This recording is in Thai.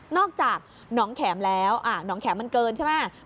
จากหนองแขมแล้วหนองแขมมันเกินใช่ไหม